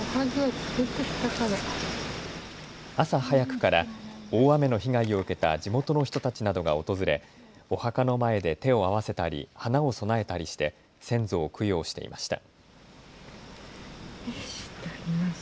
朝早くから大雨の被害を受けた地元の人たちなどが訪れ、お墓の前で手を合わせたり花を供えたりして先祖を供養していました。